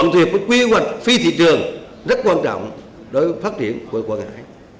việc với quy hoạch phi thị trường rất quan trọng đối với phát triển của quảng ngãi